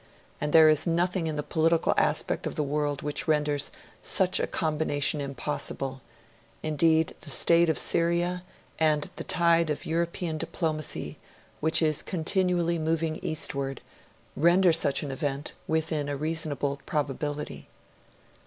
And, there is nothing in the political aspect of the world which renders such a combination impossible; indeed, the state of Syria, and the tide of European diplomacy, which 'is continually moving eastward, render such an event within a reasonable probability.'